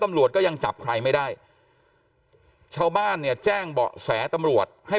ตำรวจก็ยังจับใครไม่ได้ชาวบ้านเนี่ยแจ้งเบาะแสตำรวจให้